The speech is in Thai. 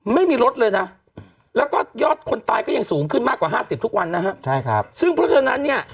ไม่มีรถเลยนะแล้วก็ยอดคนตายก็ยังสูงขึ้นมากกว่าห้าสิบทุกวันนะฮะใช่ครับซึ่งเพราะฉะนั้นเนี่ย